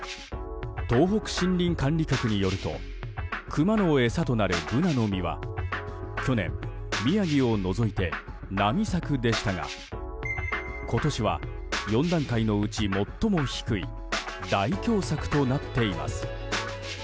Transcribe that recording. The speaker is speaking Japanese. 東北森林管理局によるとクマの餌となる、ブナの実は去年、宮城を除いて並作でしたが今年は４段階のうち最も低い大凶作となっています。